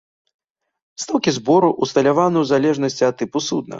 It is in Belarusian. Стаўкі збору ўсталяваны ў залежнасці ад тыпу судна.